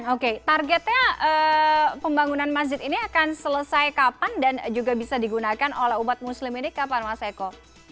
oke targetnya pembangunan masjid ini akan selesai kapan dan juga bisa digunakan oleh umat muslim ini kapan mas eko